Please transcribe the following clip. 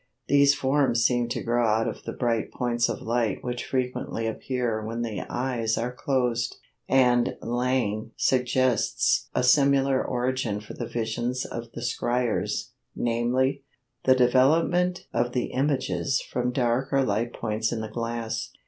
These forms seemed to grow out of the bright points of light which frequently appear when the eyes are closed, and Lang suggests a similar origin for the visions of the "scryers"—namely, the development of the images from dark or light points in the glass.